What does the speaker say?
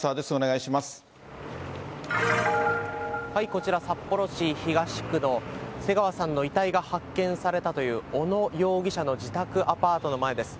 こちら、札幌市東区の瀬川さんの遺体が発見されたという、小野容疑者の自宅アパートの前です。